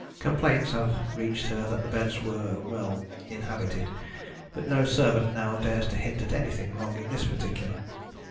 Complaints have reached her that the beds were well, inhabited but no servant now dares to hint at anything wrong in this particular.